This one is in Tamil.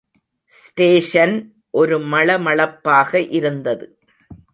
ஸ்டேஷன் ஒரு மள மளப்பாக இருந்தது.